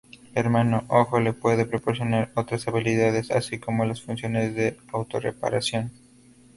Hermano Ojo le puede proporcionar otras habilidades, así como las funciones de auto-reparación.